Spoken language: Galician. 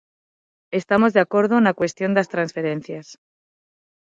Estamos de acordo na cuestión das transferencias.